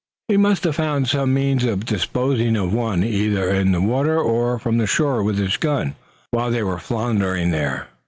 "He must have found some means of disposing of one, either in the water, or from the shore with his gun while they were floundering there."